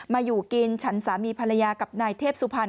อยู่กินฉันสามีภรรยากับนายเทพสุพรรณ